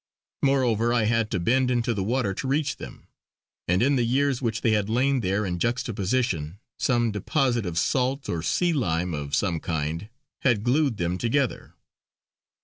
Moreover I had to bend into the water to reach them, and in the years which they had lain there in juxtaposition some deposit of salt or sea lime of some kind had glued them together.